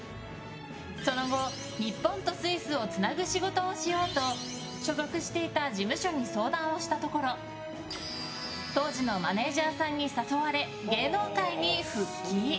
その後、日本とスイスをつなぐ仕事をしようと所属していた事務所に相談をしたところ当時のマネジャーさんに誘われ芸能界に復帰。